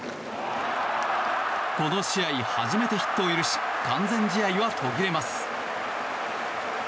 この試合初めてヒットを許し完全試合は途切れます。